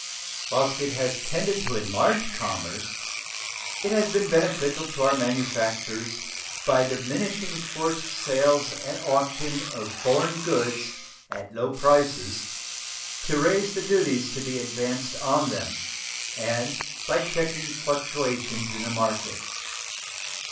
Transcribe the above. Whilst it has tended to enlarge commerce, it has been beneficial to our manufactures by diminishing forced sales at auction of foreign goods at low prices to raise the duties to be advanced on them, and by checking fluctuations in the market.